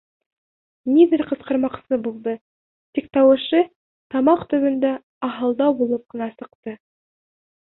Ниҙер ҡысҡырмаҡсы булды, тик тауышы тамаҡ төбөндә аһылдау булып ҡына сыҡты.